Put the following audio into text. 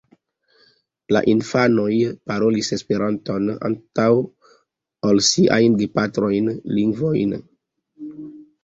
La infanoj parolis Esperanton antaŭ ol sian gepatran lingvon.